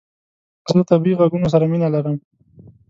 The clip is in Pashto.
زه له طبیعي عږونو سره مینه لرم